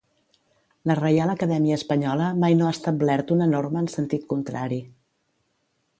La Reial Acadèmia Espanyola mai no ha establert una norma en sentit contrari.